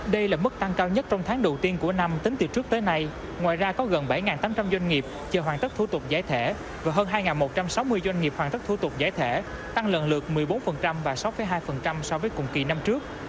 đây là mức tăng cao nhất trong tháng đầu tiên của năm tính từ trước tới nay ngoài ra có gần bảy tám trăm linh doanh nghiệp chờ hoàn tất thủ tục giải thể và hơn hai một trăm sáu mươi doanh nghiệp hoàn tất thủ tục giải thể tăng lần lượt một mươi bốn và sáu hai so với cùng kỳ năm trước